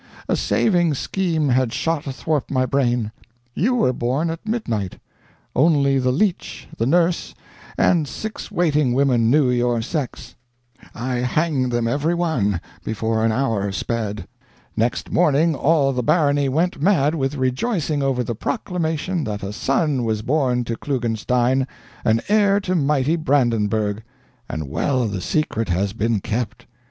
A saving scheme had shot athwart my brain. You were born at midnight. Only the leech, the nurse, and six waiting women knew your sex. I hanged them every one before an hour sped. Next morning all the barony went mad with rejoicing over the proclamation that a son was born to Klugenstein an heir to mighty Brandenburgh! And well the secret has been kept.